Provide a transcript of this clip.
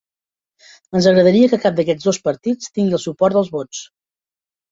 Ens agradaria que cap d'aquests dos partits tingui el suport dels vots